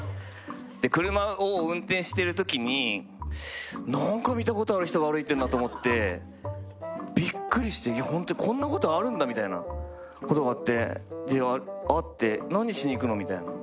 車を運転しているときに何か見たことある人が歩いてるなと思ってびっくりして、こんなことあるんだなってことがあって会って、何しにいくの？みたいな。